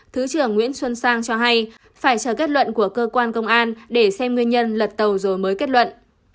thứ trưởng nguyễn xuân sang cho hay phải chờ kết luận của cơ quan công an để xem nguyên nhân lật tàu rồi mới kết luận